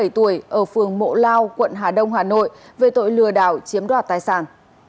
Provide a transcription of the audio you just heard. ba mươi tuổi ở phường mộ lao quận hà đông hà nội về tội lừa đảo chiếm đoạt tài sản